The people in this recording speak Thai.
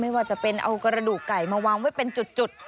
ว่าจะเป็นเอากระดูกไก่มาวางไว้เป็นจุด